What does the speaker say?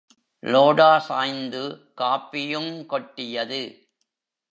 லோடா சாய்ந்து காபியுங் கொட்டியது.